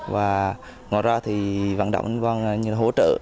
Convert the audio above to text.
và ngoài ra thì vận động anh quang như là hỗ trợ